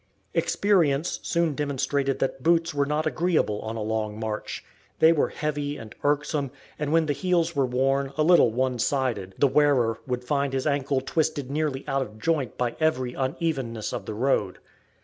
Experience soon demonstrated that boots were not agreeable on a long march. They were heavy and irksome, and when the heels were worn a little one sided, the wearer would find his ankle twisted nearly out of joint by every unevenness of the road.